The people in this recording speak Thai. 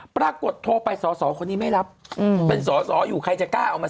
ปรากฏโทรไปสอสอคนนี้ไม่รับเป็นสอสออยู่ใครจะกล้าเอามา